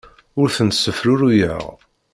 Ur ten-ssefruruyeɣ.